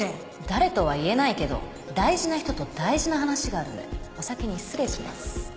誰とは言えないけど大事な人と大事な話があるのでお先に失礼します。